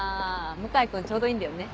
向井君ちょうどいいんだよね。